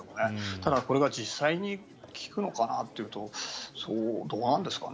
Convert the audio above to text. ただ、これが実際に効くのかなというとどうなんですかね？